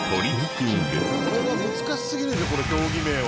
これは難しすぎるでこの競技名は。